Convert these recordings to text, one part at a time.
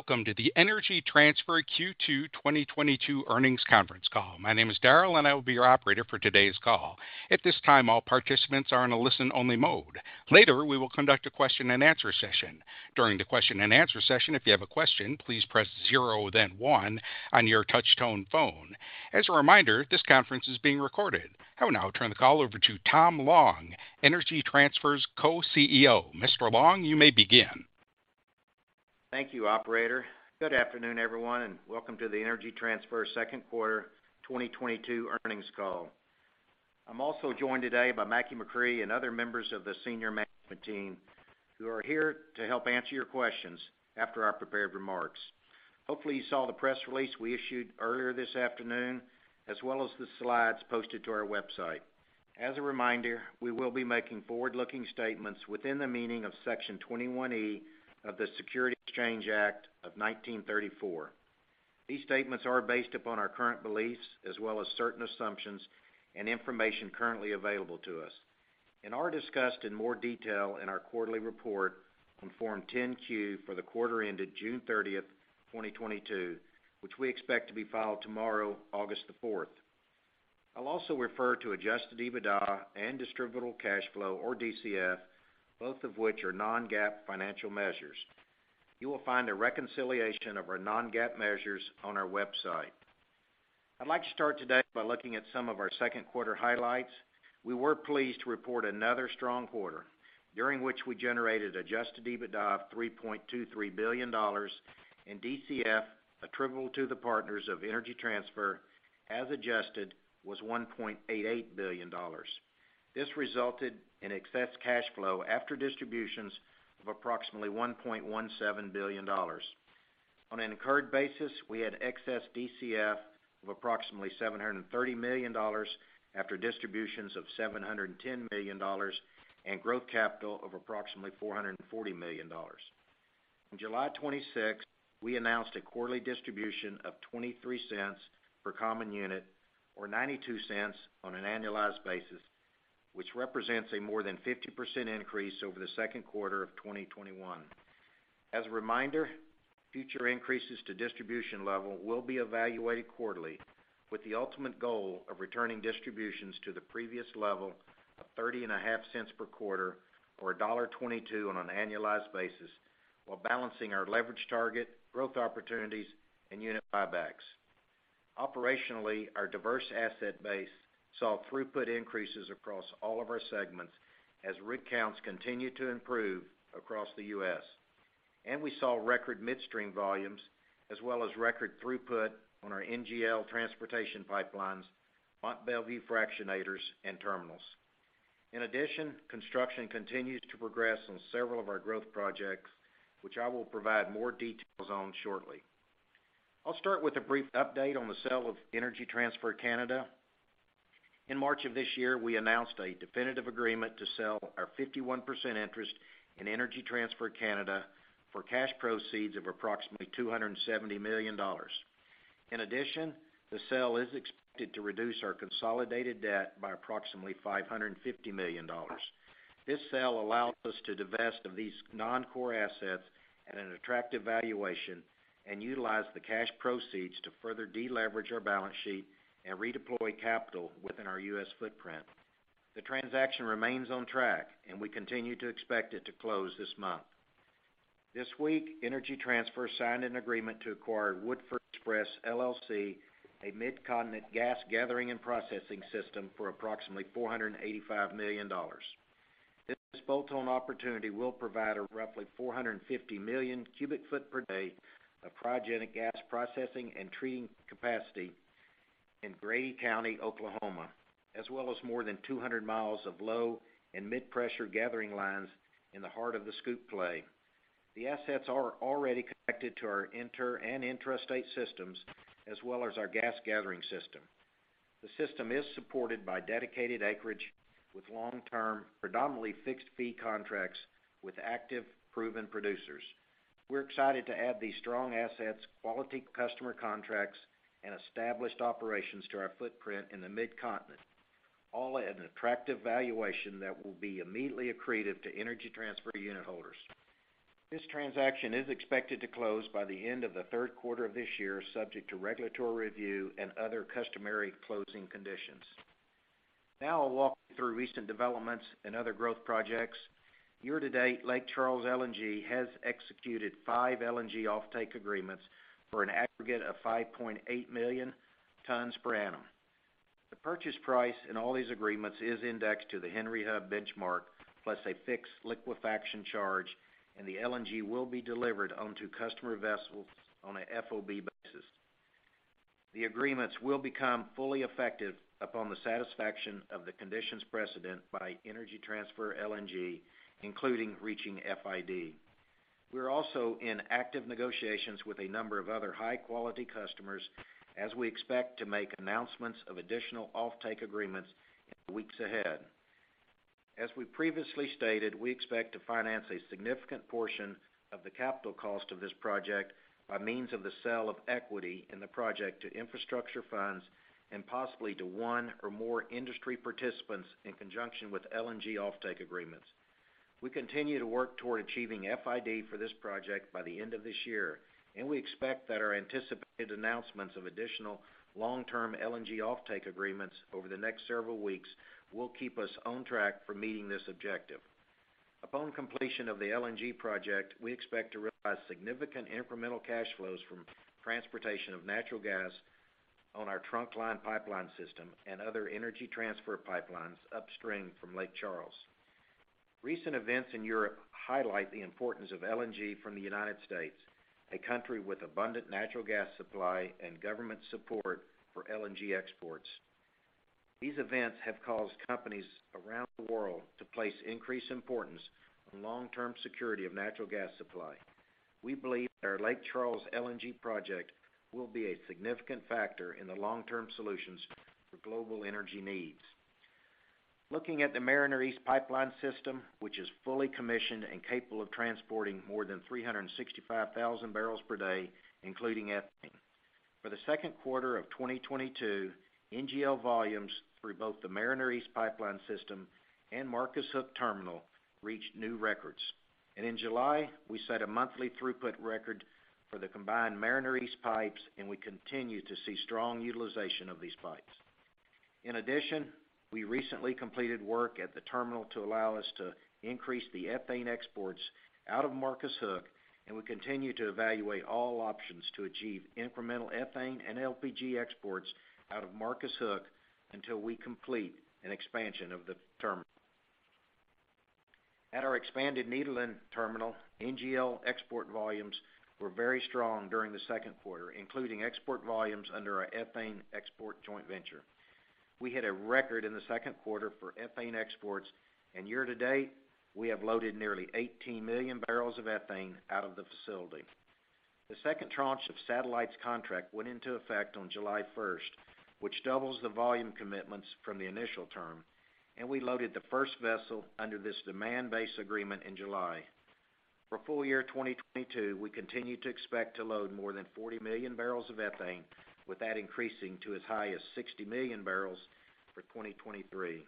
Welcome to the Energy Transfer Q2 2022 earnings conference call. My name is Daryl, and I will be your operator for today's call. At this time, all participants are in a listen-only mode. Later, we will conduct a question-and-answer session. During the question-and-answer session, if you have a question, please press zero, then one on your touchtone phone. As a reminder, this conference is being recorded. I will now turn the call over to Tom Long, Energy Transfer's Co-CEO. Mr. Long, you may begin. Thank you, operator. Good afternoon, everyone, and welcome to the Energy Transfer second quarter 2022 earnings call. I'm also joined today by Mackie McCrea and other members of the senior management team, who are here to help answer your questions after our prepared remarks. Hopefully, you saw the press release we issued earlier this afternoon, as well as the slides posted to our website. As a reminder, we will be making forward-looking statements within the meaning of Section 21E of the Securities Exchange Act of 1934. These statements are based upon our current beliefs as well as certain assumptions and information currently available to us and are discussed in more detail in our quarterly report on Form 10-Q for the quarter ended June 30, 2022, which we expect to be filed tomorrow, August 4th. I'll also refer to adjusted EBITDA and distributable cash flow, or DCF, both of which are non-GAAP financial measures. You will find a reconciliation of our non-GAAP measures on our website. I'd like to start today by looking at some of our second quarter highlights. We were pleased to report another strong quarter during which we generated adjusted EBITDA of $3.23 billion and DCF attributable to the partners of Energy Transfer as adjusted was $1.88 billion. This resulted in excess cash flow after distributions of approximately $1.17 billion. On an incurred basis, we had excess DCF of approximately $730 million after distributions of $710 million and growth capital of approximately $440 million. On July twenty-sixth, we announced a quarterly distribution of $0.23 per common unit or $0.92 on an annualized basis, which represents a more than 50% increase over the second quarter of 2021. As a reminder, future increases to distribution level will be evaluated quarterly with the ultimate goal of returning distributions to the previous level of $0.305 per quarter or $1.22 on an annualized basis while balancing our leverage target, growth opportunities and unit buybacks. Operationally, our diverse asset base saw throughput increases across all of our segments as rig counts continue to improve across the U.S., and we saw record midstream volumes as well as record throughput on our NGL transportation pipelines, Mont Belvieu fractionators and terminals. In addition, construction continues to progress on several of our growth projects, which I will provide more details on shortly. I'll start with a brief update on the sale of Energy Transfer Canada. In March of this year, we announced a definitive agreement to sell our 51% interest in Energy Transfer Canada for cash proceeds of approximately $270 million. In addition, the sale is expected to reduce our consolidated debt by approximately $550 million. This sale allows us to divest of these non-core assets at an attractive valuation and utilize the cash proceeds to further deleverage our balance sheet and redeploy capital within our U.S. footprint. The transaction remains on track and we continue to expect it to close this month. This week, Energy Transfer signed an agreement to acquire Woodford Express, LLC, a mid-continent gas gathering and processing system, for approximately $485 million. This bolt-on opportunity will provide a roughly 450 million cubic feet per day of cryogenic gas processing and treating capacity in Grady County, Oklahoma, as well as more than 200 miles of low- and mid-pressure gathering lines in the heart of the Scoop play. The assets are already connected to our inter- and intrastate systems, as well as our gas gathering system. The system is supported by dedicated acreage with long-term, predominantly fixed-fee contracts with active, proven producers. We're excited to add these strong assets, quality customer contracts and established operations to our footprint in the mid-continent, all at an attractive valuation that will be immediately accretive to Energy Transfer unit holders. This transaction is expected to close by the end of the third quarter of this year, subject to regulatory review and other customary closing conditions. Now I'll walk you through recent developments and other growth projects. Year to date, Lake Charles LNG has executed 5 LNG offtake agreements for an aggregate of 5.8 million tons per annum. The purchase price in all these agreements is indexed to the Henry Hub benchmark, plus a fixed liquefaction charge, and the LNG will be delivered onto customer vessels on a FOB basis. The agreements will become fully effective upon the satisfaction of the conditions precedent by Energy Transfer LNG, including reaching FID. We are also in active negotiations with a number of other high-quality customers as we expect to make announcements of additional offtake agreements in the weeks ahead. As we previously stated, we expect to finance a significant portion of the capital cost of this project by means of the sale of equity in the project to infrastructure funds and possibly to one or more industry participants in conjunction with LNG offtake agreements. We continue to work toward achieving FID for this project by the end of this year, and we expect that our anticipated announcements of additional long-term LNG offtake agreements over the next several weeks will keep us on track for meeting this objective. Upon completion of the LNG project, we expect to realize significant incremental cash flows from transportation of natural gas on our Trunkline pipeline system and other Energy Transfer pipelines upstream from Lake Charles. Recent events in Europe highlight the importance of LNG from the United States, a country with abundant natural gas supply and government support for LNG exports. These events have caused companies around the world to place increased importance on long-term security of natural gas supply. We believe that our Lake Charles LNG project will be a significant factor in the long-term solutions for global energy needs. Looking at the Mariner East pipeline system, which is fully commissioned and capable of transporting more than 365,000 barrels per day, including ethane. For the second quarter of 2022, NGL volumes through both the Mariner East pipeline system and Marcus Hook terminal reached new records. In July, we set a monthly throughput record for the combined Mariner East pipes, and we continue to see strong utilization of these pipes. In addition, we recently completed work at the terminal to allow us to increase the ethane exports out of Marcus Hook, and we continue to evaluate all options to achieve incremental ethane and LPG exports out of Marcus Hook until we complete an expansion of the terminal. At our expanded Nederland terminal, NGL export volumes were very strong during the second quarter, including export volumes under our ethane export joint venture. We hit a record in the second quarter for ethane exports, and year to date, we have loaded nearly 18 million barrels of ethane out of the facility. The second tranche of SABIC contract went into effect on July first, which doubles the volume commitments from the initial term, and we loaded the first vessel under this demand-based agreement in July. For full year 2022, we continue to expect to load more than 40 million barrels of ethane, with that increasing to as high as 60 million barrels for 2023.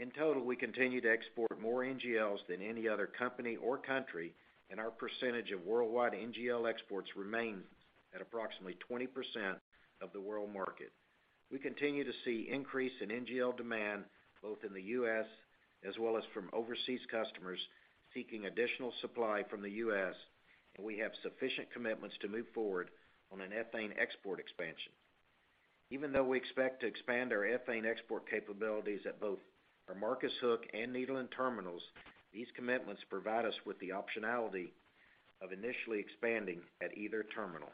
In total, we continue to export more NGLs than any other company or country, and our percentage of worldwide NGL exports remains at approximately 20% of the world market. We continue to see increase in NGL demand, both in the U.S. as well as from overseas customers seeking additional supply from the U.S., and we have sufficient commitments to move forward on an ethane export expansion. Even though we expect to expand our ethane export capabilities at both our Marcus Hook and Nederland terminals, these commitments provide us with the optionality of initially expanding at either terminal.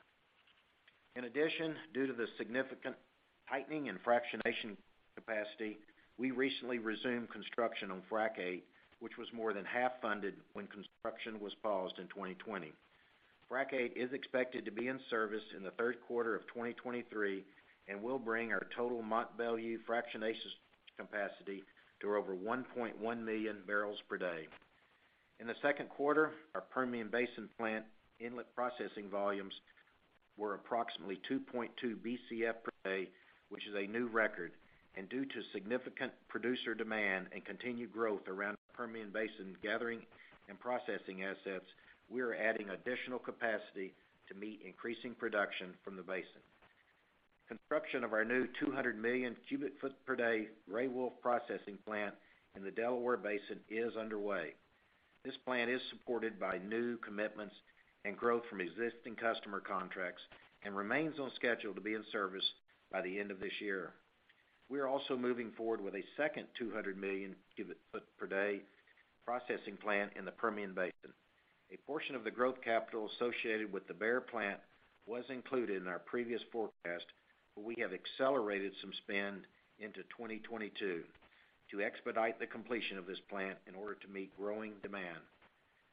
In addition, due to the significant tightening in fractionation capacity, we recently resumed construction on Frac VIII, which was more than half funded when construction was paused in 2020. Frac VIII is expected to be in service in the third quarter of 2023 and will bring our total Mont Belvieu fractionation capacity to over 1.1 million barrels per day. In the second quarter, our Permian Basin plant inlet processing volumes were approximately 2.2 Bcf per day, which is a new record. Due to significant producer demand and continued growth around Permian Basin gathering and processing assets, we are adding additional capacity to meet increasing production from the basin. Construction of our new 200 million cubic foot per day Gray Wolf processing plant in the Delaware Basin is underway. This plant is supported by new commitments and growth from existing customer contracts and remains on schedule to be in service by the end of this year. We are also moving forward with a second 200 million cubic foot per day processing plant in the Permian Basin. A portion of the growth capital associated with the Bear Plant was included in our previous forecast, but we have accelerated some spend into 2022 to expedite the completion of this plant in order to meet growing demand.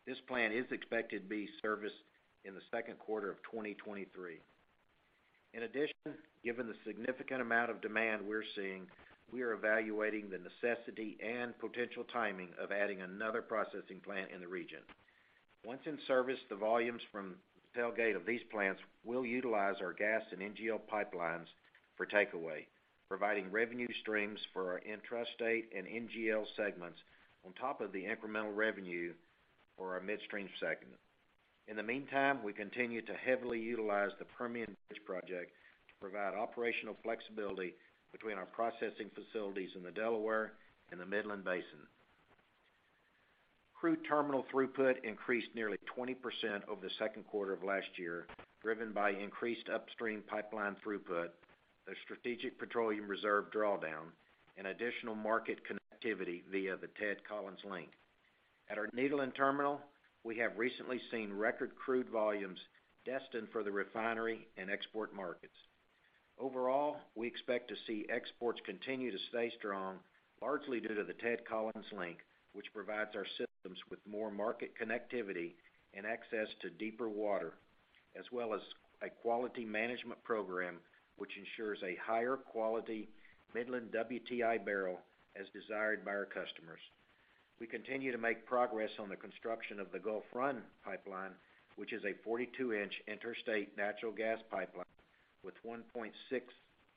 This plant is expected to be in service in the second quarter of 2023. In addition, given the significant amount of demand we're seeing, we are evaluating the necessity and potential timing of adding another processing plant in the region. Once in service, the volumes from the tailgate of these plants will utilize our gas and NGL pipelines for takeaway, providing revenue streams for our intrastate and NGL segments on top of the incremental revenue for our midstream segment. In the meantime, we continue to heavily utilize the Permian Bridge project to provide operational flexibility between our processing facilities in the Delaware and the Midland Basin. Crude terminal throughput increased nearly 20% over the second quarter of last year, driven by increased upstream pipeline throughput, the Strategic Petroleum Reserve drawdown, and additional market connectivity via the Ted Collins Link. At our Nederland terminal, we have recently seen record crude volumes destined for the refinery and export markets. Overall, we expect to see exports continue to stay strong, largely due to the Ted Collins Link, which provides our systems with more market connectivity and access to deeper water, as well as a quality management program which ensures a higher quality Midland WTI barrel as desired by our customers. We continue to make progress on the construction of the Gulf Run pipeline, which is a 42-inch interstate natural gas pipeline with 1.65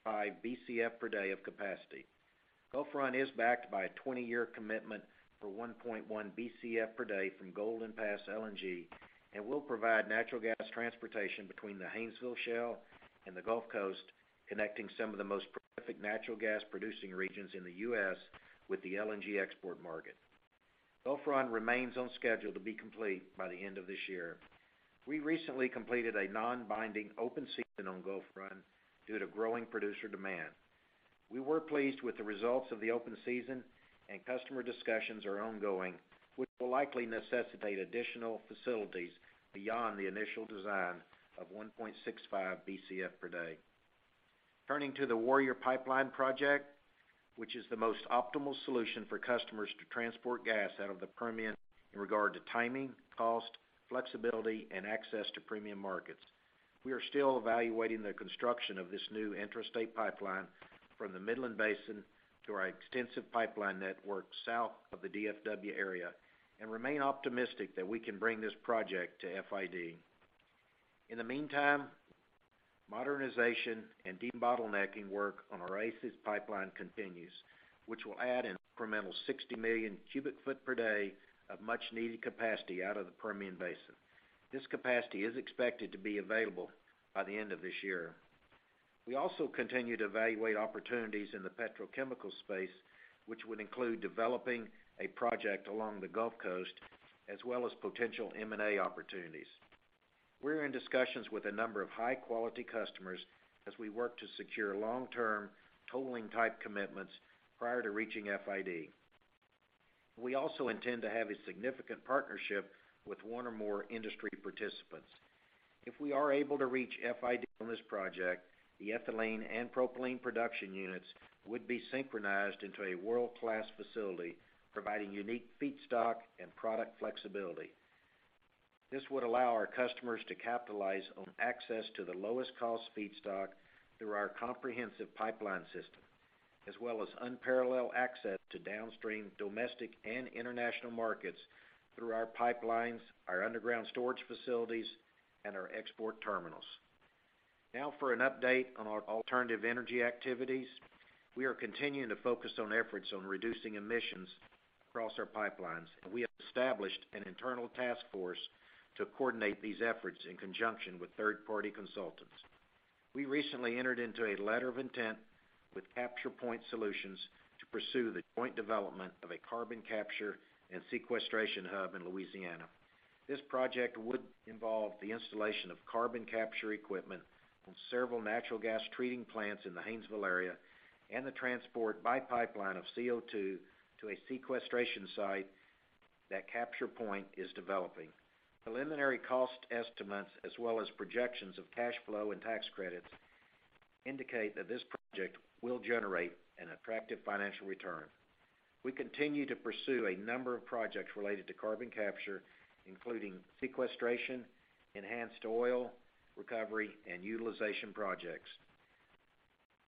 BCF per day of capacity. Gulf Run is backed by a 20-year commitment for 1.1 BCF per day from Golden Pass LNG, and will provide natural gas transportation between the Haynesville Shale and the Gulf Coast, connecting some of the most prolific natural gas producing regions in the U.S. with the LNG export market. Gulf Run remains on schedule to be complete by the end of this year. We recently completed a non-binding open season on Gulf Run due to growing producer demand. We were pleased with the results of the open season, and customer discussions are ongoing, which will likely necessitate additional facilities beyond the initial design of 1.65 BCF per day. Turning to the Warrior Pipeline project, which is the most optimal solution for customers to transport gas out of the Permian in regard to timing, cost, flexibility, and access to premium markets. We are still evaluating the construction of this new intrastate pipeline from the Midland Basin to our extensive pipeline network south of the DFW area, and remain optimistic that we can bring this project to FID. In the meantime, modernization and debottlenecking work on our Oasis Pipeline continues, which will add an incremental 60 million cubic feet per day of much-needed capacity out of the Permian Basin. This capacity is expected to be available by the end of this year. We also continue to evaluate opportunities in the petrochemical space, which would include developing a project along the Gulf Coast, as well as potential M&A opportunities. We're in discussions with a number of high-quality customers as we work to secure long-term take-or-pay commitments prior to reaching FID. We also intend to have a significant partnership with one or more industry participants. If we are able to reach FID on this project, the ethylene and propylene production units would be synchronized into a world-class facility, providing unique feedstock and product flexibility. This would allow our customers to capitalize on access to the lowest cost feedstock through our comprehensive pipeline system, as well as unparalleled access to downstream domestic and international markets through our pipelines, our underground storage facilities, and our export terminals. Now for an update on our alternative energy activities. We are continuing to focus on efforts on reducing emissions across our pipelines, and we have established an internal task force to coordinate these efforts in conjunction with third-party consultants. We recently entered into a letter of intent with CapturePoint Solutions to pursue the joint development of a carbon capture and sequestration hub in Louisiana. This project would involve the installation of carbon capture equipment on several natural gas treating plants in the Haynesville area and the transport by pipeline of CO2 to a sequestration site that CapturePoint is developing. Preliminary cost estimates as well as projections of cash flow and tax credits indicate that this project will generate an attractive financial return. We continue to pursue a number of projects related to carbon capture, including sequestration, enhanced oil recovery, and utilization projects.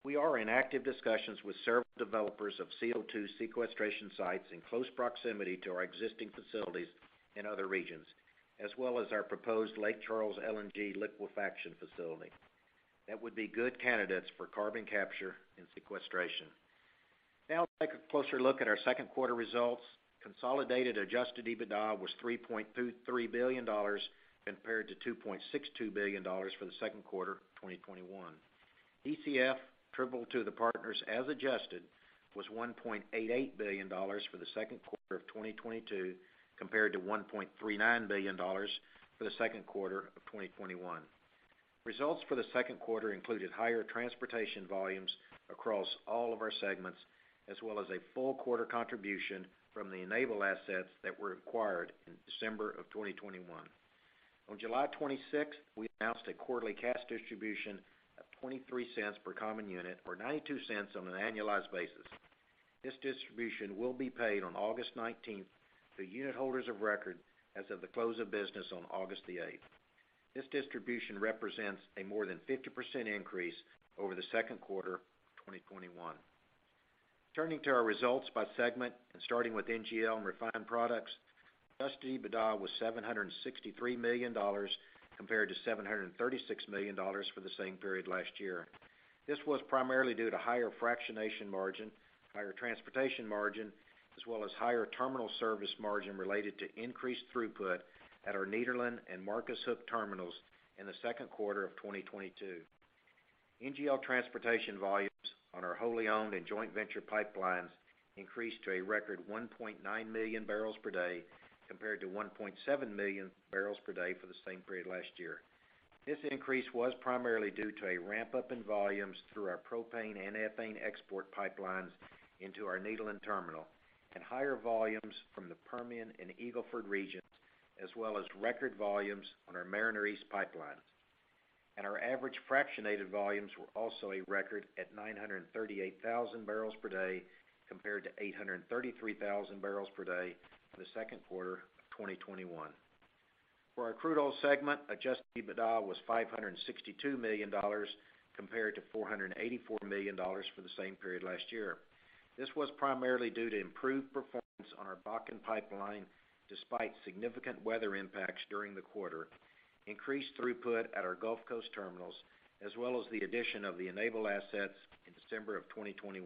We are in active discussions with several developers of CO2 sequestration sites in close proximity to our existing facilities in other regions, as well as our proposed Lake Charles LNG liquefaction facility that would be good candidates for carbon capture and sequestration. Now let's take a closer look at our second quarter results. Consolidated adjusted EBITDA was $3.23 billion compared to $2.62 billion for the second quarter of 2021. DCF to the partners as adjusted was $1.88 billion for the second quarter of 2022, compared to $1.39 billion for the second quarter of 2021. Results for the second quarter included higher transportation volumes across all of our segments, as well as a full quarter contribution from the Enable assets that were acquired in December of 2021. On July 26th, we announced a quarterly cash distribution of $0.23 per common unit or $0.92 on an annualized basis. This distribution will be paid on August 19th to unit holders of record as of the close of business on August 8th. This distribution represents a more than 50% increase over the second quarter of 2021. Turning to our results by segment and starting with NGL and refined products, adjusted EBITDA was $763 million compared to $736 million for the same period last year. This was primarily due to higher fractionation margin, higher transportation margin, as well as higher terminal service margin related to increased throughput at our Nederland and Marcus Hook terminals in the second quarter of 2022. NGL transportation volumes on our wholly owned and joint venture pipelines increased to a record 1.9 million barrels per day compared to 1.7 million barrels per day for the same period last year. This increase was primarily due to a ramp-up in volumes through our propane and ethane export pipelines into our Nederland terminal and higher volumes from the Permian and Eagle Ford regions, as well as record volumes on our Mariner East pipeline. Our average fractionated volumes were also a record at 938,000 barrels per day compared to 833,000 barrels per day for the second quarter of 2021. For our crude oil segment, adjusted EBITDA was $562 million compared to $484 million for the same period last year. This was primarily due to improved performance on our Bakken pipeline despite significant weather impacts during the quarter, increased throughput at our Gulf Coast terminals, as well as the addition of the Enable assets in December of 2021.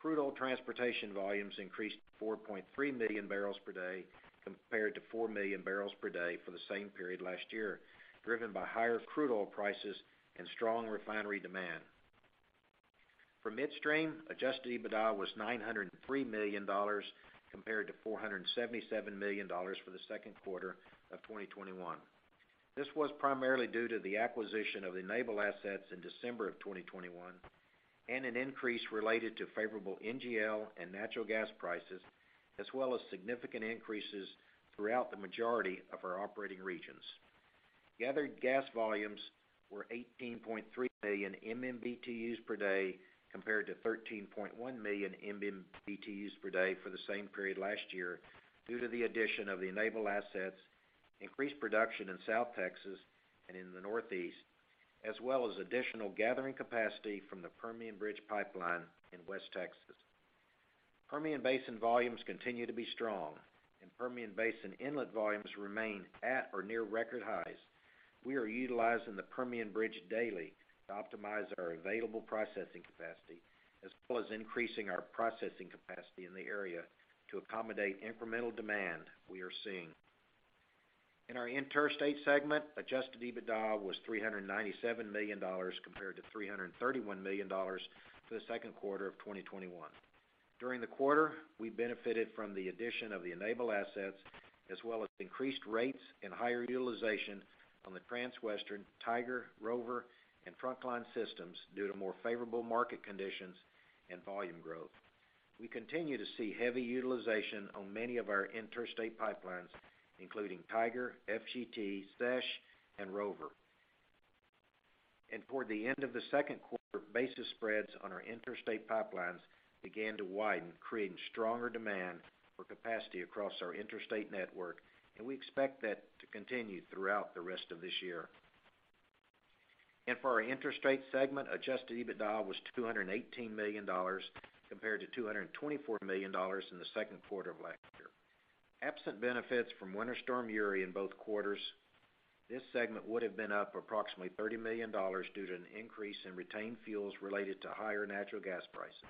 Crude oil transportation volumes increased to 4.3 million barrels per day, compared to 4 million barrels per day for the same period last year, driven by higher crude oil prices and strong refinery demand. For midstream, adjusted EBITDA was $903 million compared to $477 million for the second quarter of 2021. This was primarily due to the acquisition of the Enable assets in December of 2021 and an increase related to favorable NGL and natural gas prices, as well as significant increases throughout the majority of our operating regions. Gathered gas volumes were 18.3 million MMBtu per day, compared to 13.1 million MMBtu per day for the same period last year due to the addition of the Enable assets, increased production in South Texas and in the Northeast, as well as additional gathering capacity from the Permian Bridge pipeline in West Texas. Permian Basin volumes continue to be strong, and Permian Basin inlet volumes remain at or near record highs. We are utilizing the Permian Bridge daily to optimize our available processing capacity, as well as increasing our processing capacity in the area to accommodate incremental demand we are seeing. In our interstate segment, adjusted EBITDA was $397 million compared to $331 million for the second quarter of 2021. During the quarter, we benefited from the addition of the Enable assets, as well as increased rates and higher utilization on the Transwestern, Tiger, Rover, and Trunkline systems due to more favorable market conditions and volume growth. We continue to see heavy utilization on many of our interstate pipelines, including Tiger, FGT, SESH, and Rover. Toward the end of the second quarter, basis spreads on our interstate pipelines began to widen, creating stronger demand for capacity across our interstate network, and we expect that to continue throughout the rest of this year. For our interstate segment, adjusted EBITDA was $218 million compared to $224 million in the second quarter of last year. Absent benefits from Winter Storm Uri in both quarters, this segment would've been up approximately $30 million due to an increase in retained fuels related to higher natural gas prices.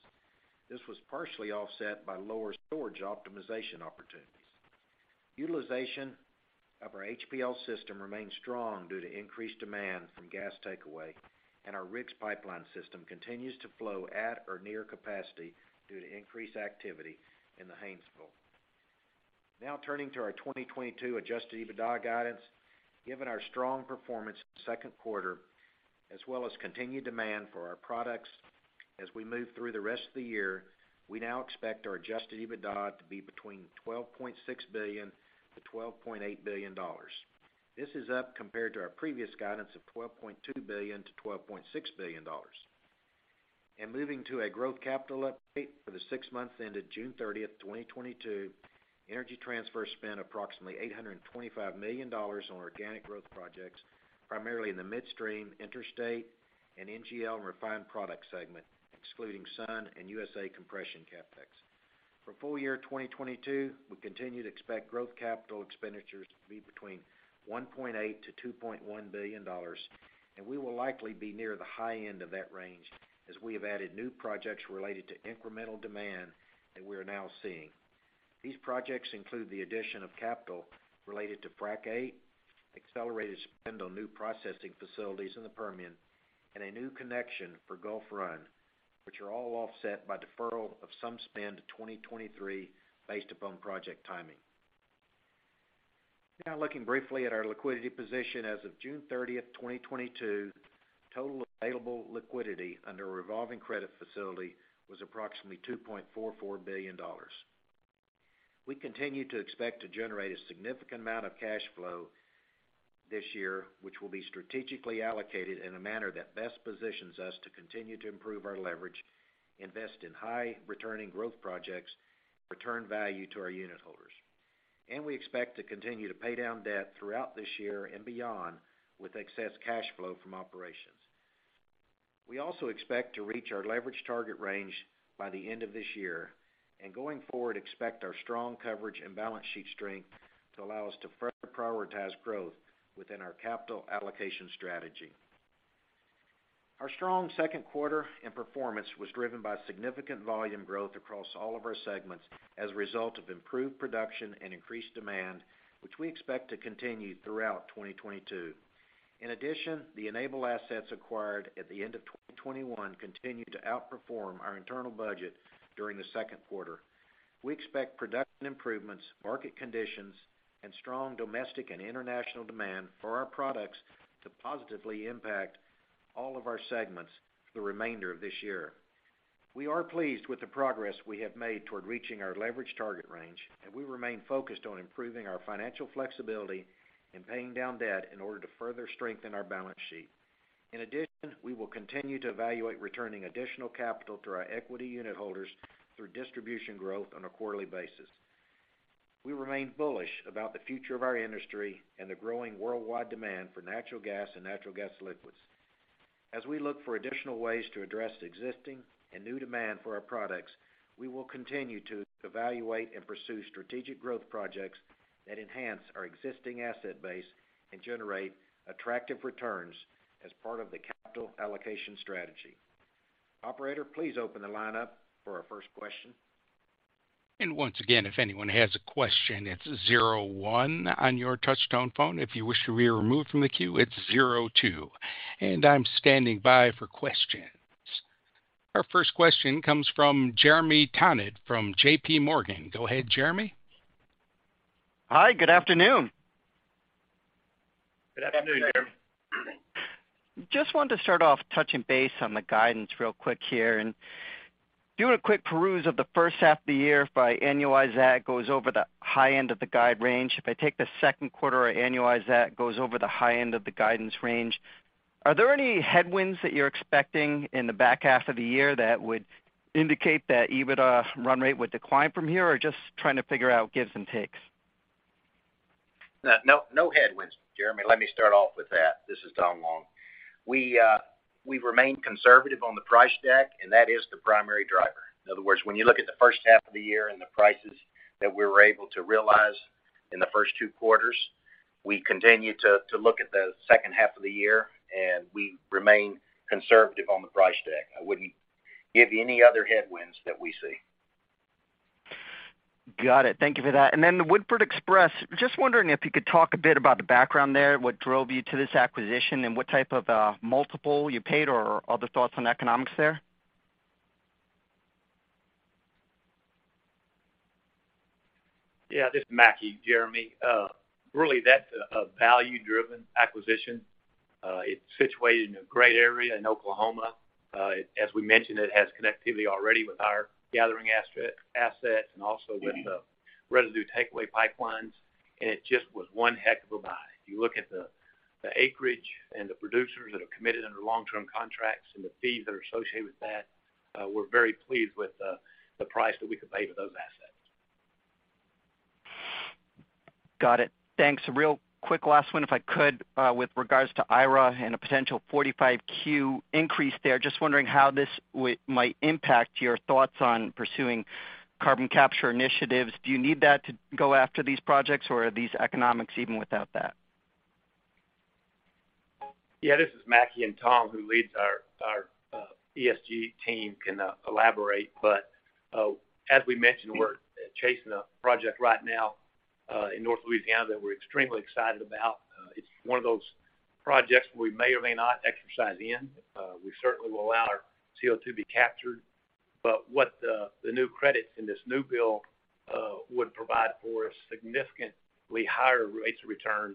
This was partially offset by lower storage optimization opportunities. Utilization of our HPL System remains strong due to increased demand from gas takeaway, and our RIGS pipeline system continues to flow at or near capacity due to increased activity in the Haynesville. Now turning to our 2022 adjusted EBITDA guidance. Given our strong performance in the second quarter, as well as continued demand for our products as we move through the rest of the year, we now expect our adjusted EBITDA to be between $12.6 billion-$12.8 billion. This is up compared to our previous guidance of $12.2 billion-$12.6 billion. Moving to a growth capital update for the six months ended June 30, 2022, Energy Transfer spent approximately $825 million on organic growth projects, primarily in the midstream, interstate, and NGL and refined products segment, excluding Sun and USA Compression CapEx. For full year 2022, we continue to expect growth capital expenditures to be between $1.8 billion-$2.1 billion, and we will likely be near the high end of that range as we have added new projects related to incremental demand that we are now seeing. These projects include the addition of capital related to Frac VIII, accelerated spend on new processing facilities in the Permian, and a new connection for Gulf Run, which are all offset by deferral of some spend to 2023 based upon project timing. Now looking briefly at our liquidity position. As of June 30, 2022, total available liquidity under a revolving credit facility was approximately $2.44 billion. We continue to expect to generate a significant amount of cash flow this year, which will be strategically allocated in a manner that best positions us to continue to improve our leverage, invest in high returning growth projects, return value to our unit holders. We expect to continue to pay down debt throughout this year and beyond with excess cash flow from operations. We also expect to reach our leverage target range by the end of this year, and going forward, expect our strong coverage and balance sheet strength to allow us to further prioritize growth within our capital allocation strategy. Our strong second quarter and performance was driven by significant volume growth across all of our segments as a result of improved production and increased demand, which we expect to continue throughout 2022. In addition, the Enable assets acquired at the end of 2021 continued to outperform our internal budget during the second quarter. We expect production improvements, market conditions, and strong domestic and international demand for our products to positively impact all of our segments for the remainder of this year. We are pleased with the progress we have made toward reaching our leverage target range, and we remain focused on improving our financial flexibility and paying down debt in order to further strengthen our balance sheet. In addition, we will continue to evaluate returning additional capital to our equity unit holders through distribution growth on a quarterly basis. We remain bullish about the future of our industry and the growing worldwide demand for natural gas and natural gas liquids. As we look for additional ways to address existing and new demand for our products, we will continue to evaluate and pursue strategic growth projects. That enhance our existing asset base and generate attractive returns as part of the capital allocation strategy. Operator, please open the line up for our first question. Once again, if anyone has a question, it's zero one on your touch tone phone. If you wish to be removed from the queue, it's zero two. I'm standing by for questions. Our first question comes from Jeremy Tonet from JPMorgan. Go ahead, Jeremy. Hi, good afternoon. Good afternoon, Jeremy. Just wanted to start off touching base on the guidance real quick here. Doing a quick peruse of the first half of the year and annualize that goes over the high end of the guide range. If I take the second quarter and annualize that goes over the high end of the guidance range. Are there any headwinds that you're expecting in the back half of the year that would indicate that EBITDA run rate would decline from here or just trying to figure out gives and takes? No, no headwinds, Jeremy. Let me start off with that. This is Tom Long. We remain conservative on the price deck, and that is the primary driver. In other words, when you look at the first half of the year and the prices that we were able to realize in the first two quarters, we continue to look at the second half of the year, and we remain conservative on the price deck. I wouldn't give you any other headwinds that we see. Got it. Thank you for that. The Woodford Express. Just wondering if you could talk a bit about the background there, what drove you to this acquisition, and what type of multiple you paid or other thoughts on economics there? Yeah, this is Mackie, Jeremy. Really, that's a value-driven acquisition. It's situated in a great area in Oklahoma. As we mentioned, it has connectivity already with our gathering assets and also with the residue takeaway pipelines. It just was one heck of a buy. You look at the acreage and the producers that have committed under long-term contracts and the fees that are associated with that, we're very pleased with the price that we could pay for those assets. Got it. Thanks. Real quick last one, if I could, with regards to IRA and a potential 45Q increase there. Just wondering how this might impact your thoughts on pursuing carbon capture initiatives. Do you need that to go after these projects, or are these economics even without that? Yeah, this is Mackie, and Tom, who leads our ESG team can elaborate. As we mentioned, we're chasing a project right now in North Louisiana that we're extremely excited about. It's one of those projects we may or may not exercise in. We certainly will allow our CO2 to be captured. What the new credits in this new bill would provide for us significantly higher rates of return,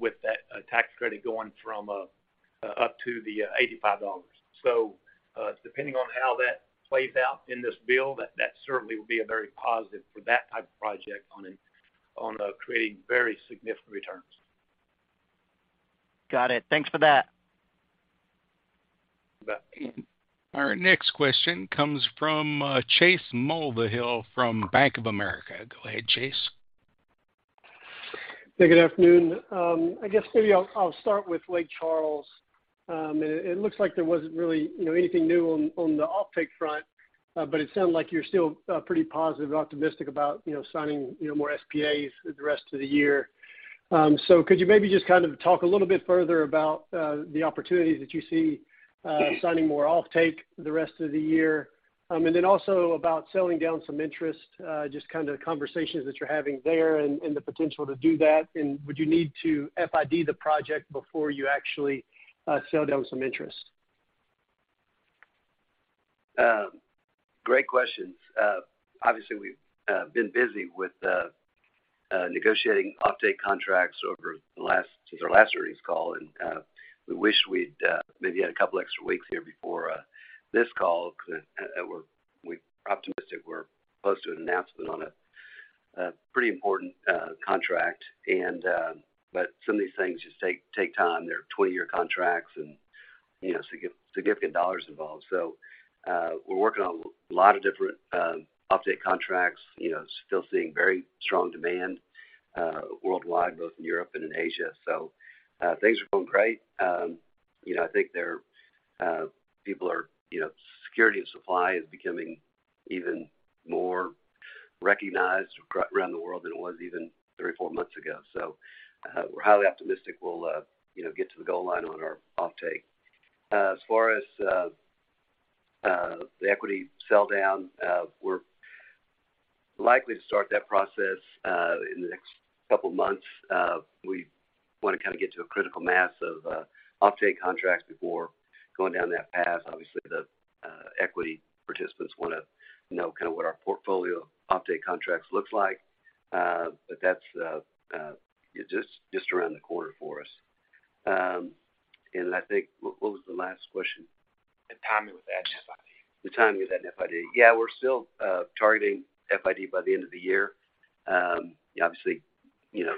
with that tax credit going up to $85. Depending on how that plays out in this bill, that certainly will be a very positive for that type of project on creating very significant returns. Got it. Thanks for that. You bet. Our next question comes from Chase Mulvehill from Bank of America. Go ahead, Chase. Hey, good afternoon. I guess maybe I'll start with Lake Charles. It looks like there wasn't really, you know, anything new on the offtake front, but it sounded like you're still pretty positive, optimistic about, you know, signing, you know, more SPAs for the rest of the year. Could you maybe just kind of talk a little bit further about the opportunities that you see signing more offtake the rest of the year? Also about selling down some interest, just kind of the conversations that you're having there and the potential to do that. Would you need to FID the project before you actually sell down some interest? Great questions. Obviously, we've been busy with negotiating offtake contracts since our last earnings call. We wish we'd maybe had a couple extra weeks here before this call because we're optimistic we're close to an announcement on a pretty important contract. Some of these things just take time. They're 20-year contracts and, you know, significant dollars involved. We're working on a lot of different offtake contracts, you know, still seeing very strong demand worldwide, both in Europe and in Asia. Things are going great. You know, I think people are, you know, security of supply is becoming even more recognized around the world than it was even three, four months ago. We're highly optimistic we'll, you know, get to the goal line on our offtake. As far as the equity sell down, we're likely to start that process in the next couple of months. We wanna kind of get to a critical mass of offtake contracts before going down that path. Obviously, the equity participants wanna know kind of what our portfolio offtake contracts looks like. That's just around the corner for us. I think what was the last question? The timing with that FID. Yeah, we're still targeting FID by the end of the year. Obviously, you know,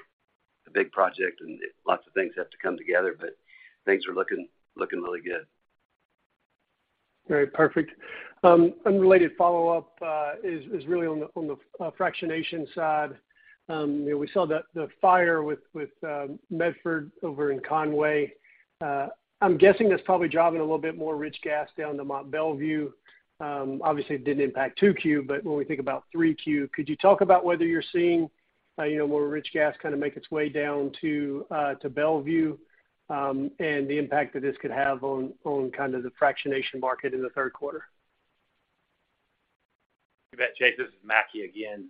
a big project and lots of things have to come together, but things are looking really good. Great. Perfect. Unrelated follow-up is really on the fractionation side. You know, we saw the fire with Medford over in Conway. I'm guessing that's probably driving a little bit more rich gas down to Mont Belvieu. Obviously, it didn't impact 2Q, but when we think about 3Q, could you talk about whether you're seeing. You know, will rich gas kind of make its way down to Mont Belvieu, and the impact that this could have on the fractionation market in the third quarter? You bet, Chase. This is Mackie again.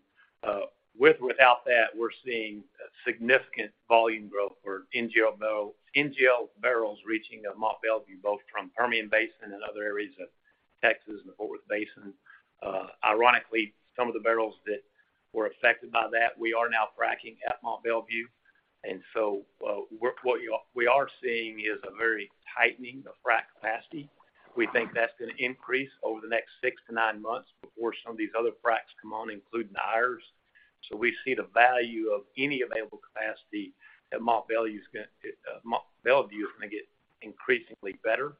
With or without that, we're seeing significant volume growth for NGL barrels reaching Mont Belvieu, both from Permian Basin and other areas of Texas and the Fort Worth Basin. Ironically, some of the barrels that were affected by that, we are now fraccing at Mont Belvieu. We are seeing is a very tightening of frac capacity. We think that's gonna increase over the next six, nine months before some of these other fracs come on, including Ayers. We see the value of any available capacity at Mont Belvieu. Mont Belvieu is gonna get increasingly better.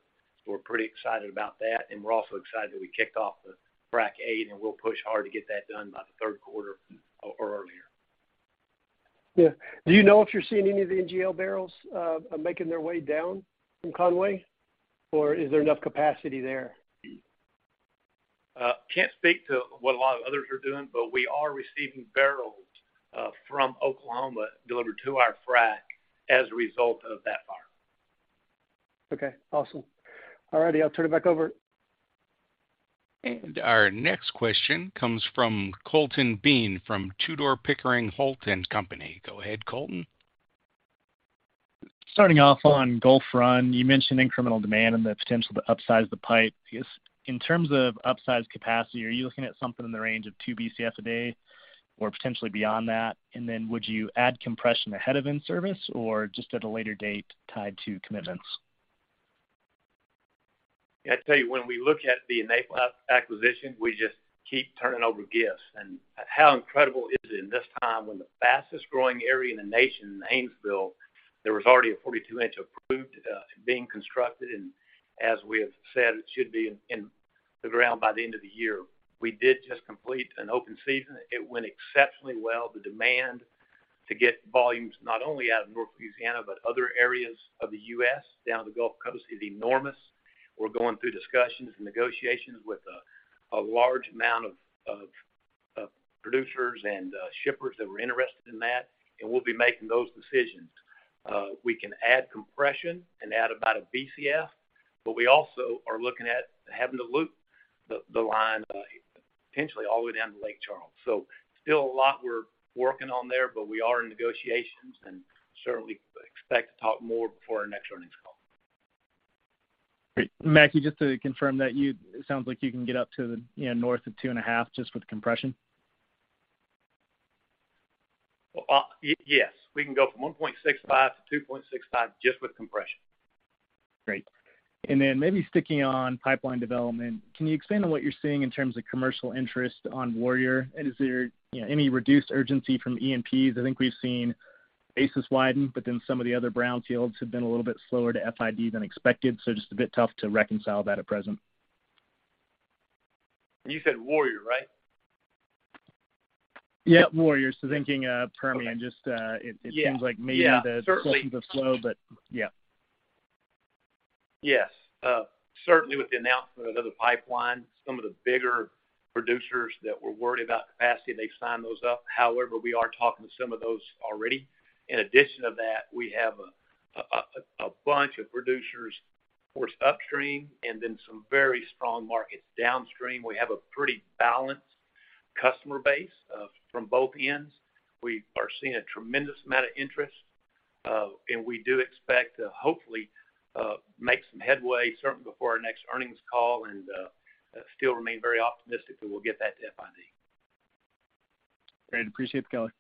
We're pretty excited about that, and we're also excited that we kicked off the Frac VIII, and we'll push hard to get that done by the third quarter or earlier. Yeah. Do you know if you're seeing any of the NGL barrels, making their way down from Conway, or is there enough capacity there? Can't speak to what a lot of others are doing, but we are receiving barrels from Oklahoma delivered to our Frac as a result of that fire. Okay. Awesome. All righty. I'll turn it back over. Our next question comes from Colton Bean from Tudor, Pickering, Holt & Co. Go ahead, Colton. Starting off on Gulf Run, you mentioned incremental demand and the potential to upsize the pipe. I guess, in terms of upsize capacity, are you looking at something in the range of 2 Bcf a day or potentially beyond that? Would you add compression ahead of in-service or just at a later date tied to commitments? Yeah, I tell you, when we look at the N8 Labs acquisition, we just keep turning over gifts. How incredible is it in this time when the fastest-growing area in the nation is in Haynesville, there was already a 42-inch approved being constructed. As we have said, it should be in the ground by the end of the year. We did just complete an open season. It went exceptionally well. The demand to get volumes not only out of North Louisiana, but other areas of the U.S., down the Gulf Coast is enormous. We're going through discussions and negotiations with a large amount of producers and shippers that were interested in that, and we'll be making those decisions. We can add compression and add about 1 BCF, but we also are looking at having to loop the line, potentially all the way down to Lake Charles. Still a lot we're working on there, but we are in negotiations and certainly expect to talk more before our next earnings call. Great. Mackie, just to confirm that you, it sounds like you can get up to the, you know, north of 2.5 just with compression. Yes. We can go from 1.65-2.65 just with compression. Great. Then maybe sticking on pipeline development, can you expand on what you're seeing in terms of commercial interest on Warrior? Is there, you know, any reduced urgency from E&Ps? I think we've seen basis widen, but then some of the other brownfields have been a little bit slower to FID than expected, so just a bit tough to reconcile that at present. You said Warrior, right? Yeah, Warrior. Thinking of Permian. Okay. It seems like maybe. Yeah, certainly. The questions are slow, but yeah. Yes. Certainly with the announcement of another pipeline, some of the bigger producers that were worried about capacity, they've signed those up. However, we are talking to some of those already. In addition to that, we have a bunch of producers, of course, upstream, and then some very strong markets downstream. We have a pretty balanced customer base from both ends. We are seeing a tremendous amount of interest, and we do expect to hopefully make some headway certainly before our next earnings call and still remain very optimistic that we'll get that to FID. Great. Appreciate the color.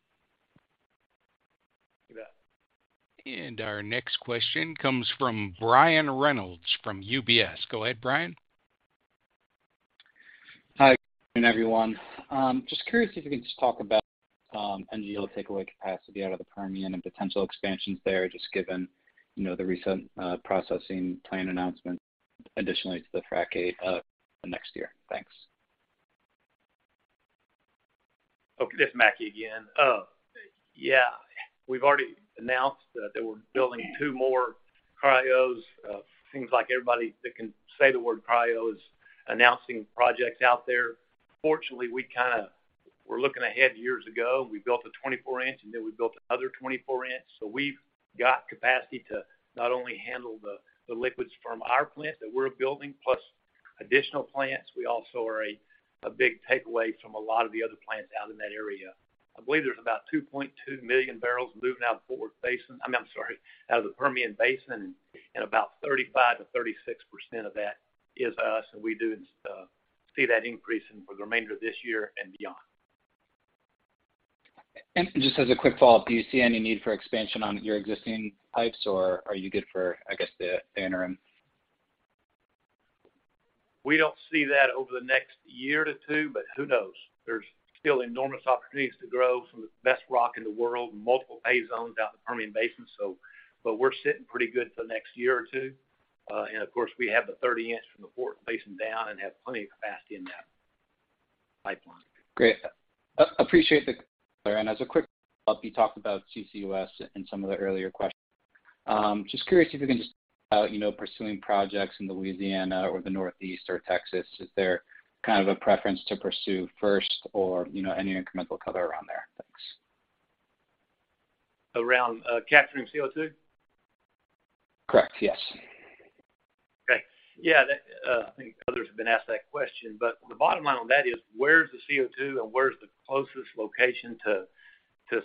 You bet. Our next question comes from Brian Reynolds from UBS. Go ahead, Brian. Hi, good afternoon, everyone. Just curious if you can just talk about NGL takeaway capacity out of the Permian and potential expansions there, just given, you know, the recent processing plant announcement additionally to the Frac VIII next year. Thanks. Okay. This is Mackie again. Yeah. We've already announced that we're building two more cryos. Seems like everybody that can say the word cryo is announcing projects out there. Fortunately, we kinda were looking ahead years ago. We built a 24-inch, and then we built another 24-inch. So we've got capacity to not only handle the liquids from our plant that we're building, plus additional plants, we also are a big takeaway from a lot of the other plants out in that area. I believe there's about 2.2 million barrels moving out of the Permian Basin, I mean, I'm sorry, and about 35%-36% of that is us, and we do see that increase for the remainder of this year and beyond. Just as a quick follow-up, do you see any need for expansion on your existing pipes, or are you good for, I guess, the interim? We don't see that over the next year to two, but who knows? There's still enormous opportunities to grow some of the best rock in the world, multiple pay zones out in the Permian Basin. We're sitting pretty good for the next year or two. Of course, we have the 30-inch from the Fort Worth Basin down and have plenty of capacity in that pipeline. Great. Appreciate the color. As a quick follow-up, you talked about CCUS in some of the earlier questions. Just curious if you can just, you know, pursuing projects in Louisiana or the Northeast or Texas, is there kind of a preference to pursue first or, you know, any incremental color around there? Thanks. Around capturing CO2? Correct, yes. Okay. Yeah, that, I think others have been asked that question, but the bottom line on that is where's the CO2 and where's the closest location to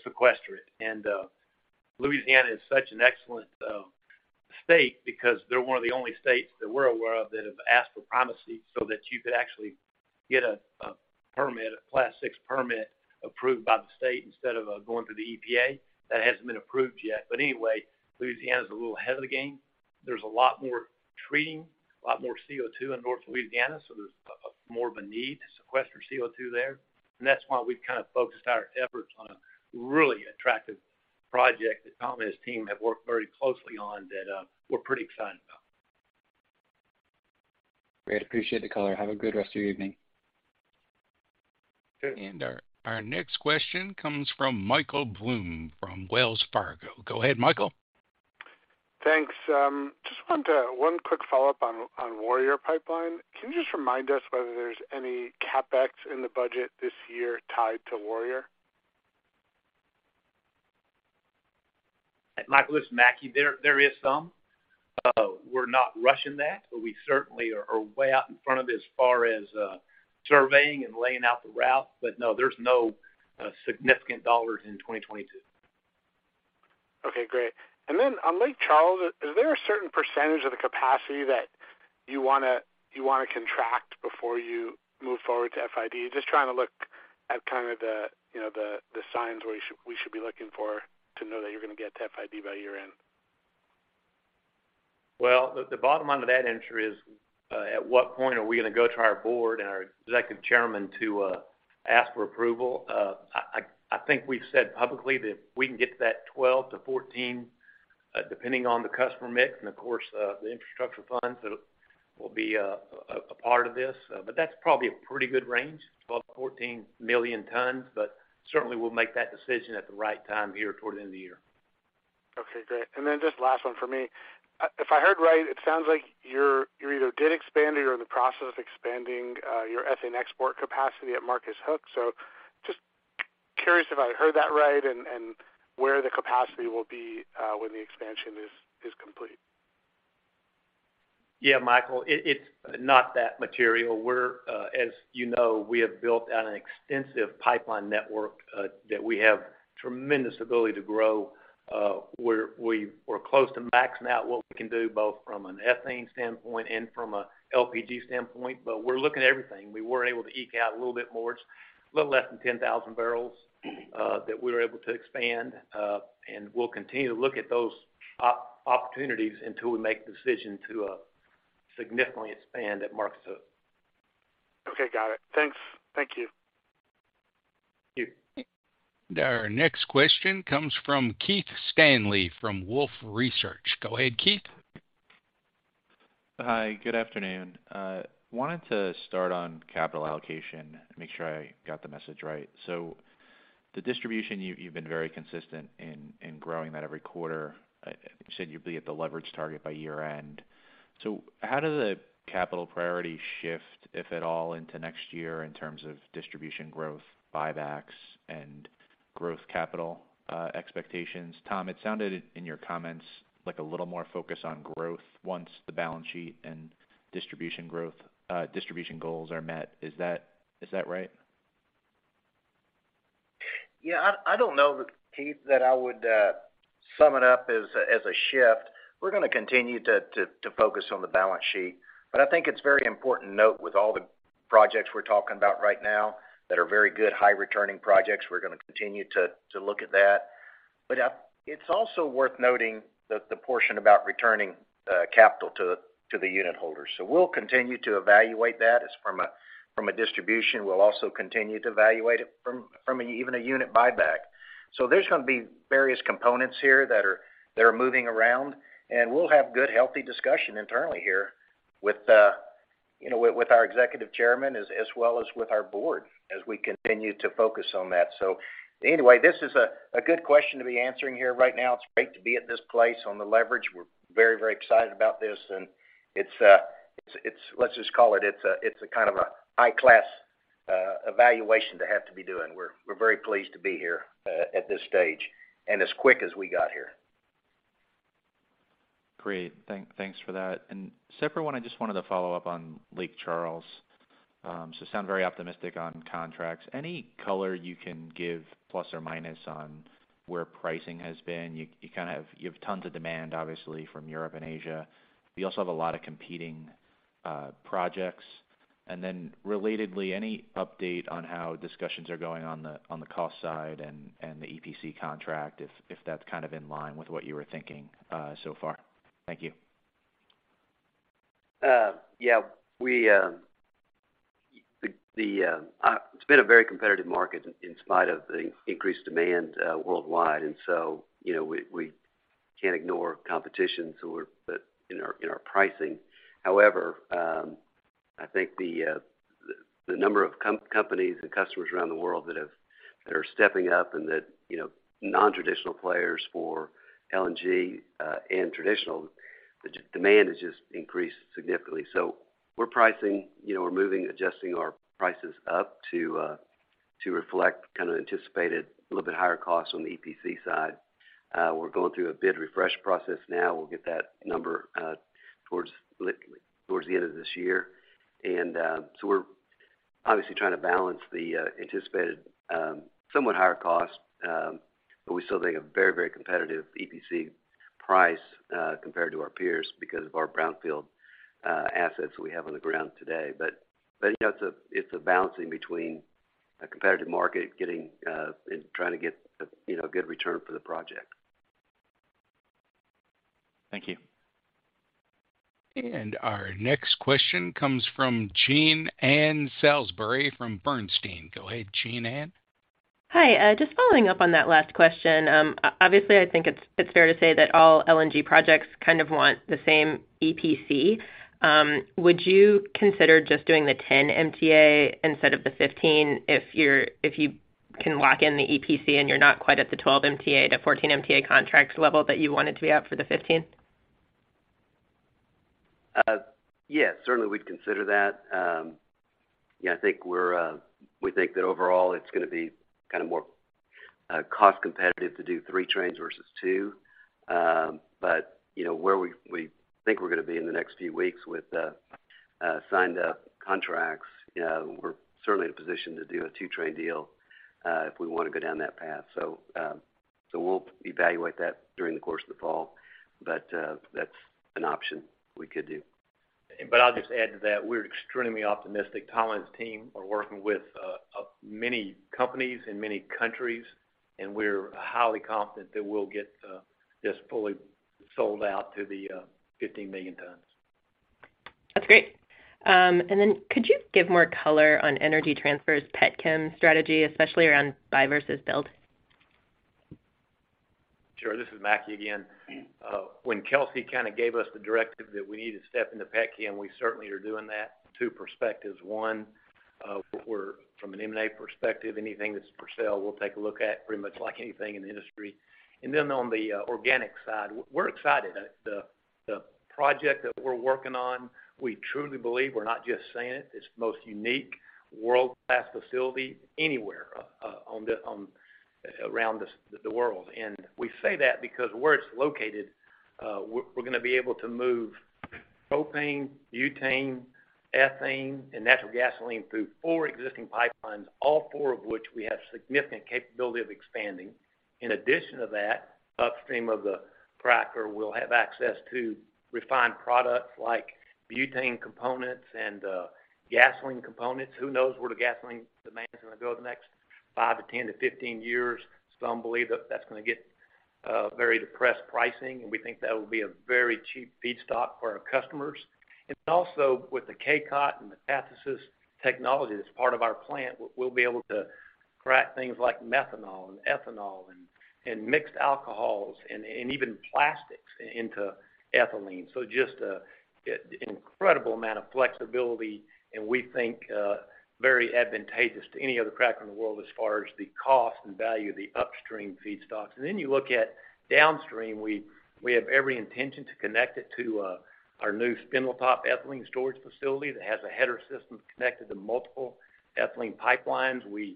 sequester it? Louisiana is such an excellent state because they're one of the only states that we're aware of that have asked for primacy so that you could actually get a permit, a Class VI permit approved by the state instead of going through the EPA. That hasn't been approved yet. Anyway, Louisiana's a little ahead of the game. There's a lot more treating, a lot more CO2 in North Louisiana, so there's more of a need to sequester CO2 there. That's why we've kind of focused our efforts on a really attractive project that Tom and his team have worked very closely on that we're pretty excited about. Great. Appreciate the color. Have a good rest of your evening. Sure. Our next question comes from Michael Blum from Wells Fargo. Go ahead, Michael. Thanks. Just wanted one quick follow-up on Warrior Pipeline. Can you just remind us whether there's any CapEx in the budget this year tied to Warrior? Michael, this is Mackie. There is some. We're not rushing that, but we certainly are way out in front of it as far as surveying and laying out the route. No, there's no significant dollars in 2022. Okay, great. On Lake Charles, is there a certain percentage of the capacity that you wanna contract before you move forward to FID? Just trying to look at kind of the, you know, signs where we should be looking for to know that you're gonna get to FID by year-end. Well, the bottom line of that answer is at what point are we gonna go to our board and our executive chairman to ask for approval? I think we've said publicly that if we can get to that 12-14, depending on the customer mix, and of course, the infrastructure funds will be a part of this, but that's probably a pretty good range, 12-14 million tons. Certainly we'll make that decision at the right time here toward the end of the year. Okay, great. Just last one for me. If I heard right, it sounds like you're, you either did expand or you're in the process of expanding, your ethylene export capacity at Marcus Hook. Just curious if I heard that right and where the capacity will be when the expansion is complete. Yeah, Michael, it's not that material. As you know, we have built out an extensive pipeline network that we have tremendous ability to grow. We're close to maxing out what we can do, both from an ethane standpoint and from a LPG standpoint, but we're looking at everything. We were able to eke out a little bit more, a little less than 10,000 barrels that we were able to expand. We'll continue to look at those opportunities until we make the decision to significantly expand at Marcus Hook. Okay, got it. Thanks. Thank you. Thank you. Our next question comes from Keith Stanley from Wolfe Research. Go ahead, Keith. Hi, good afternoon. Wanted to start on capital allocation and make sure I got the message right. The distribution, you've been very consistent in growing that every quarter. You said you'd be at the leverage target by year-end. How does the capital priority shift, if at all, into next year in terms of distribution growth, buybacks and growth capital expectations? Tom, it sounded in your comments like a little more focus on growth once the balance sheet and distribution growth distribution goals are met. Is that right? Yeah, I don't know that, Keith, that I would sum it up as a shift. We're gonna continue to focus on the balance sheet. I think it's very important to note with all the projects we're talking about right now that are very good, high returning projects, we're gonna continue to look at that. It's also worth noting the portion about returning capital to the unitholders. We'll continue to evaluate that. From a distribution, we'll also continue to evaluate it from even a unit buyback. There's gonna be various components here that are moving around, and we'll have good, healthy discussion internally here with, you know, with our Executive Chairman as well as with our Board as we continue to focus on that. This is a good question to be answering here right now. It's great to be at this place on the leverage. We're very excited about this and let's just call it's a kind of a high-class evaluation to have to be doing. We're very pleased to be here at this stage and as quick as we got here. Great. Thanks for that. Separate one, I just wanted to follow up on Lake Charles. So you sound very optimistic on contracts. Any color you can give plus or minus on where pricing has been? You kind of have tons of demand, obviously from Europe and Asia, but you also have a lot of competing projects. Relatedly, any update on how discussions are going on the cost side and the EPC contract, if that's kind of in line with what you were thinking so far? Thank you. It's been a very competitive market in spite of the increased demand worldwide. You know, we can't ignore competition, but in our pricing. However, I think the The number of companies and customers around the world that are stepping up and that, you know, nontraditional players for LNG and traditional, the demand has just increased significantly. We're pricing, you know, we're moving, adjusting our prices up to reflect kind of anticipated a little bit higher costs on the EPC side. We're going through a bid refresh process now. We'll get that number towards the end of this year. We're obviously trying to balance the anticipated somewhat higher cost, but we still think a very, very competitive EPC price compared to our peers because of our brownfield assets we have on the ground today. You know, it's a balancing between a competitive market getting and trying to get a you know a good return for the project. Thank you. Our next question comes from Jean Ann Salisbury from Bernstein. Go ahead, Jean Ann. Hi. Just following up on that last question. Obviously, I think it's fair to say that all LNG projects kind of want the same EPC. Would you consider just doing the 10 MTPA instead of the 15 if you can lock in the EPC and you're not quite at the 12 MTPA-14 MTPA contracts level that you wanted to be at for the 15? Yes, certainly we'd consider that. Yeah, I think we think that overall, it's gonna be kind of more cost competitive to do three trains versus two. You know, where we think we're gonna be in the next few weeks with signed up contracts, you know, we're certainly in a position to do a two-train deal if we wanna go down that path. We'll evaluate that during the course of the fall. That's an option we could do. I'll just add to that. We're extremely optimistic. Tyler and his team are working with many companies in many countries, and we're highly confident that we'll get this fully sold out to the 15 million tons. That's great. Could you give more color on Energy Transfer's pet chem strategy, especially around buy versus build? Sure. This is Mackie again. When Kelsey kind of gave us the directive that we need to step into pet chem, we certainly are doing that. Two perspectives. One, we're from an M&A perspective, anything that's for sale, we'll take a look at pretty much like anything in the industry. On the organic side, we're excited. The project that we're working on, we truly believe we're not just saying it. It's the most unique world-class facility anywhere around the world. We say that because where it's located, we're gonna be able to move propane, butane, ethane, and natural gasoline through four existing pipelines, all four of which we have significant capability of expanding. In addition to that, upstream of the cracker, we'll have access to refined products like butane components and gasoline components. Who knows where the gasoline demand is gonna go in the next five to 10 to 15 years? Some believe that that's gonna get very depressed pricing, and we think that will be a very cheap feedstock for our customers. Also with the CACOT and the catalysis technology that's part of our plant, we'll be able to crack things like methanol and ethanol and mixed alcohols and even plastics into ethylene. Just an incredible amount of flexibility, and we think very advantageous to any other cracker in the world as far as the cost and value of the upstream feedstocks. Then you look at downstream, we have every intention to connect it to our new Spindletop ethylene storage facility that has a header system connected to multiple ethylene pipelines. We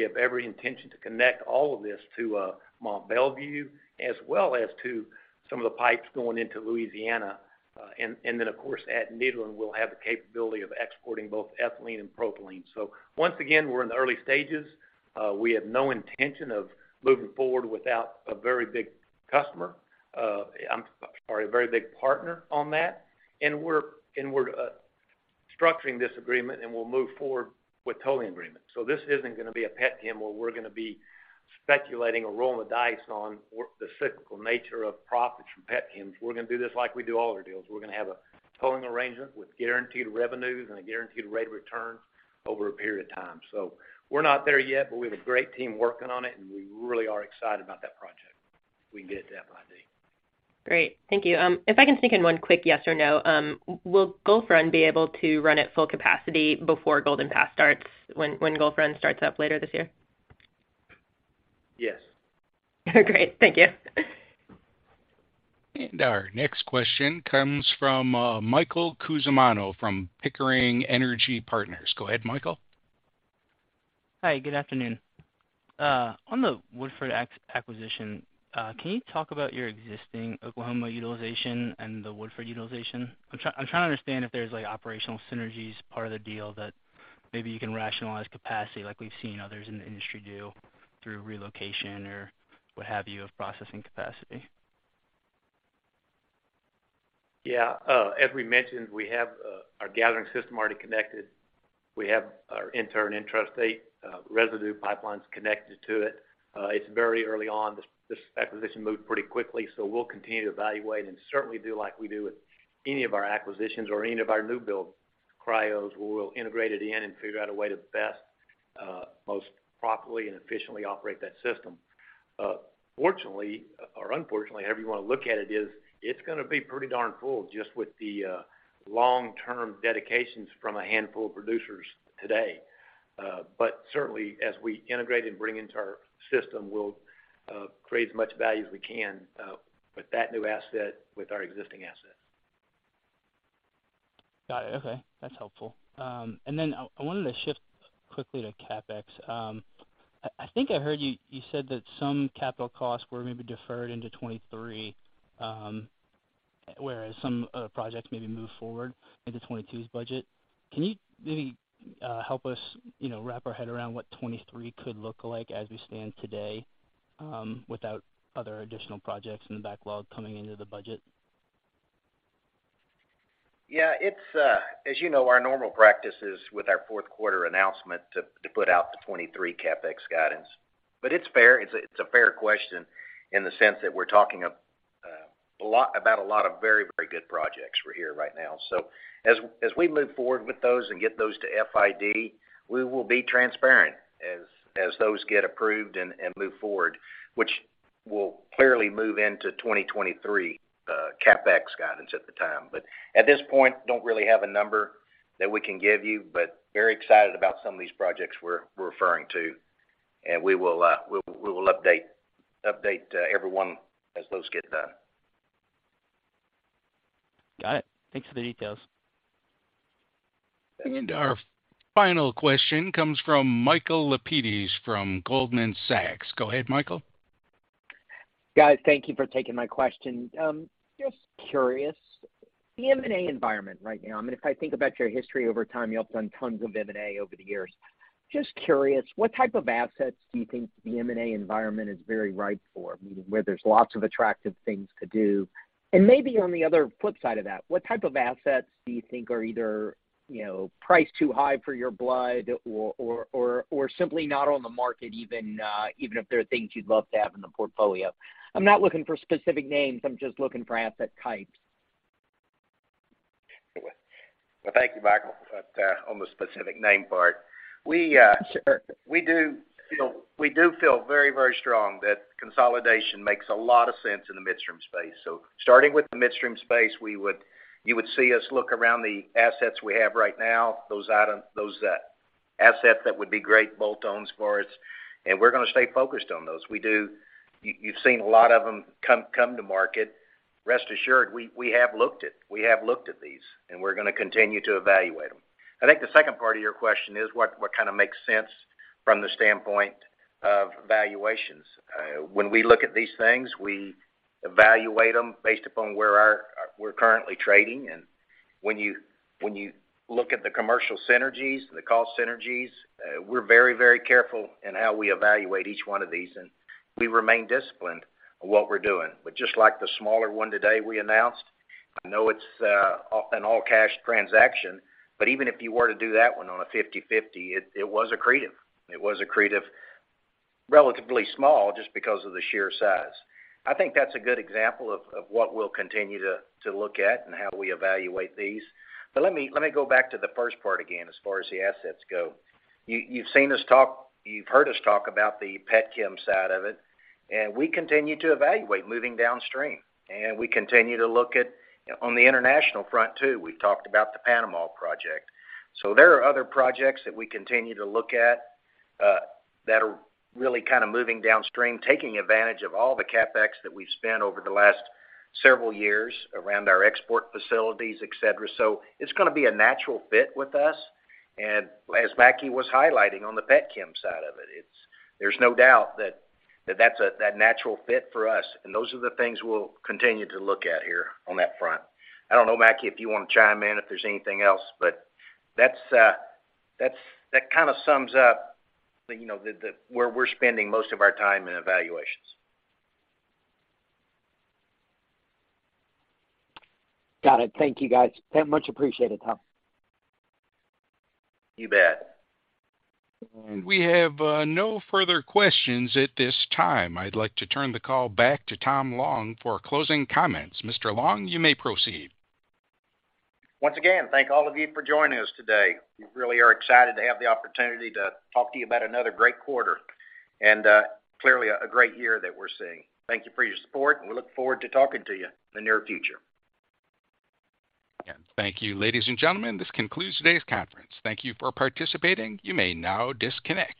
have every intention to connect all of this to Mont Belvieu, as well as to some of the pipes going into Louisiana. Of course, at Nederland, we'll have the capability of exporting both ethylene and propylene. Once again, we're in the early stages. We have no intention of moving forward without a very big customer or a very big partner on that. We're structuring this agreement, and we'll move forward with tolling agreements. This isn't gonna be a petchem where we're gonna be speculating or rolling the dice on what the cyclical nature of profits from petchems. We're gonna do this like we do all our deals. We're gonna have a tolling arrangement with guaranteed revenues and a guaranteed rate of return over a period of time. We're not there yet, but we have a great team working on it, and we really are excited about that project if we can get that by the end. Great. Thank you. If I can sneak in one quick yes or no, will Gulf Run be able to run at full capacity before Golden Pass starts when Gulf Run starts up later this year? Yes. Great. Thank you. Our next question comes from Michael Cusimano from Pickering Energy Partners. Go ahead, Michael. Hi, good afternoon. On the Woodford acquisition, can you talk about your existing Oklahoma utilization and the Woodford utilization? I'm trying to understand if there's, like, operational synergies part of the deal that maybe you can rationalize capacity like we've seen others in the industry do through relocation or what have you, of processing capacity. Yeah, as we mentioned, we have our gathering system already connected. We have our interstate and intrastate residue pipelines connected to it. It's very early on. This acquisition moved pretty quickly, so we'll continue to evaluate and certainly do like we do with any of our acquisitions or any of our new build cryos. We will integrate it in and figure out a way to best. Most properly and efficiently operate that system. Fortunately or unfortunately, however you wanna look at it's gonna be pretty darn full just with the long-term dedications from a handful of producers today. Certainly, as we integrate and bring into our system, we'll create as much value as we can with that new asset, with our existing assets. Got it. Okay, that's helpful. I wanted to shift quickly to CapEx. I think I heard you said that some capital costs were maybe deferred into 2023, whereas some projects maybe moved forward into 2022's budget. Can you maybe help us, you know, wrap our head around what 2023 could look like as we stand today, without other additional projects in the backlog coming into the budget? Yeah, it's, as you know, our normal practice is with our fourth quarter announcement to put out the 2023 CapEx guidance. It's fair, it's a fair question in the sense that we're talking a lot about a lot of very good projects. We're here right now. As we move forward with those and get those to FID, we will be transparent as those get approved and move forward, which will clearly move into 2023 CapEx guidance at the time. At this point, don't really have a number that we can give you, but very excited about some of these projects we're referring to. We will update everyone as those get done. Got it. Thanks for the details. Our final question comes from Michael Lapides from Goldman Sachs. Go ahead, Michael. Guys, thank you for taking my question. Just curious, the M&A environment right now, I mean, if I think about your history over time, you all have done tons of M&A over the years. Just curious, what type of assets do you think the M&A environment is very ripe for, meaning where there's lots of attractive things to do? Maybe on the other flip side of that, what type of assets do you think are either, you know, priced too high for your blood or simply not on the market, even if there are things you'd love to have in the portfolio? I'm not looking for specific names, I'm just looking for asset types. Well, thank you, Michael, but on the specific name part. We Sure. We do feel very, very strong that consolidation makes a lot of sense in the midstream space. Starting with the midstream space, you would see us look around the assets we have right now, those assets that would be great bolt on sport, and we're gonna stay focused on those. You, you've seen a lot of them come to market. Rest assured, we have looked at these, and we're gonna continue to evaluate them. I think the second part of your question is what kind of makes sense from the standpoint of valuations. When we look at these things, we evaluate them based upon where we're currently trading. When you look at the commercial synergies, the cost synergies, we're very, very careful in how we evaluate each one of these, and we remain disciplined on what we're doing. Just like the smaller one today we announced, I know it's an all cash transaction, but even if you were to do that one on a 50/50, it was accretive. It was accretive. Relatively small just because of the sheer size. I think that's a good example of what we'll continue to look at and how we evaluate these. Let me go back to the first part again as far as the assets go. You've seen us talk, you've heard us talk about the pet chem side of it, and we continue to evaluate moving downstream. We continue to look at, on the international front too. We've talked about the Panama project. There are other projects that we continue to look at, that are really kind of moving downstream, taking advantage of all the CapEx that we've spent over the last several years around our export facilities, et cetera. It's gonna be a natural fit with us. As Mackie was highlighting on the petrochemical side of it, there's no doubt that that's a natural fit for us. Those are the things we'll continue to look at here on that front. I don't know, Mackie, if you wanna chime in, if there's anything else, but that's kinda sums up, you know, where we're spending most of our time in evaluations. Got it. Thank you, guys. Much appreciated, Tom. You bet. We have no further questions at this time. I'd like to turn the call back to Tom Long for closing comments. Mr. Long, you may proceed. Once again, thank all of you for joining us today. We really are excited to have the opportunity to talk to you about another great quarter, and clearly a great year that we're seeing. Thank you for your support, and we look forward to talking to you in the near future. Again, thank you. Ladies and gentlemen, this concludes today's conference. Thank you for participating. You may now disconnect.